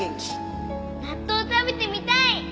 納豆食べてみたい！